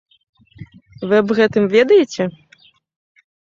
Вы аб гэтым ведаеце?